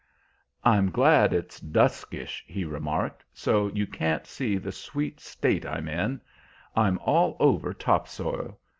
"I'm glad it's duskish," he remarked, "so you can't see the sweet state I'm in. I'm all over top soil.